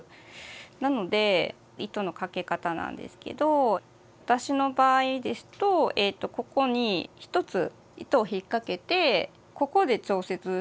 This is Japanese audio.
なので糸のかけ方なんですけど私の場合ですとここに１つ糸を引っ掛けてここで調節。